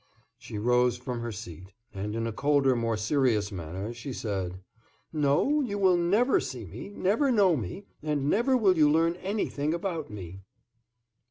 She rose from her seat, and in a colder, more serious manner she said: "No, you will never see me, never know me, and never will you learn anything about me."